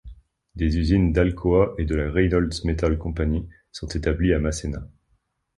Des usines d'Alcoa et de la Reynolds Metals Company sont établies à Massena.